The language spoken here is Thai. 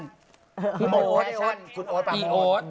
หมดแพชชั่น